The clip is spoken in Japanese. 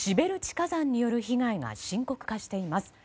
火山による被害が深刻化しています。